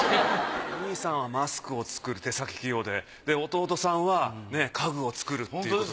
お兄さんはマスク作る手先器用で弟さんは家具を作るっていう。